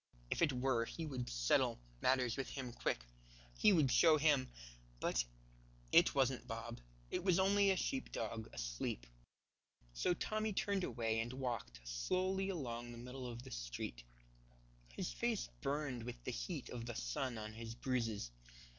If it were, he would settle matters with him quick. He would show him but it wasn't Bob, it was only a sheep dog asleep. So Tommy turned away and walked slowly along the middle of the street. His face burned with the heat of the sun on his bruises.